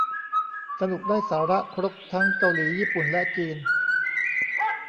สนุกได้สาระ ครบทั้งเกาหลี ญี่ปุ่น และจีน